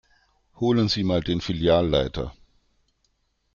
Holen Sie mal den Filialleiter.